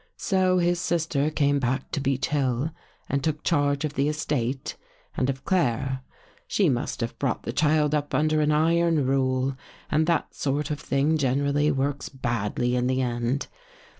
So his sister came back to Beech Hill and took charge of the estate and of Claire. She must have brought the child up under an Iron rule and that sort of thing gen erally works badly In the end.